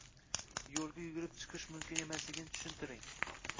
lyo‘lga yugurib chiqish mumkin emasligini tushuntiring.